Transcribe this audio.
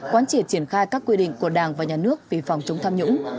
quán triệt triển khai các quy định của đảng và nhà nước về phòng chống tham nhũng